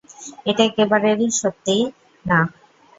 এটা একেবারেরই সত্যি না।